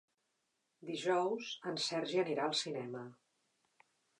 Dijous en Sergi anirà al cinema.